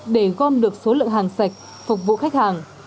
để gom được số lượng hàng sạch phục vụ khách hàng